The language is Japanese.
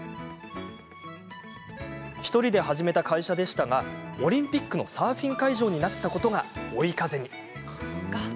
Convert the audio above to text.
１人で始めた会社でしたがオリンピックのサーフィン会場になったことが追い風に。